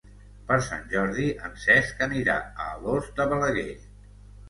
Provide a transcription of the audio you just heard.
Per Sant Jordi en Cesc anirà a Alòs de Balaguer.